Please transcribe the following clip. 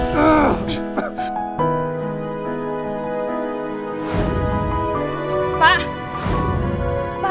kamu juga paham false